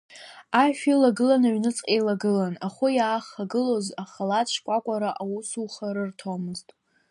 Ашә илагылан, аҩныҵҟа еилагылан, ахәы иааихагылоз халаҭ шкәакәараа аусуха рырҭомызт.